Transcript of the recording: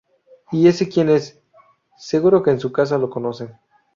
¿Y ese quién es? Seguro que en su casa lo conocen